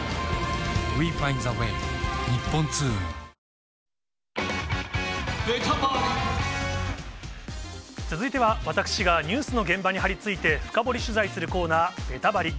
事件後、続いては、私がニュースの現場に張り付いて、深掘り取材するコーナー、ベタバリ！